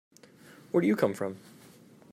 Where do you come from?